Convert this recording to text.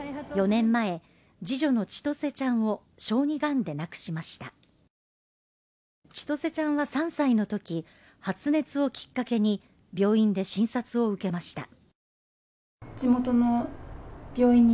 ４年前次女の千歳ちゃんを小児がんで亡くしました千歳ちゃんは３歳の時発熱をきっかけに病院で診察を受けました